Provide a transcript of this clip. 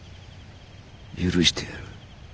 許してやる。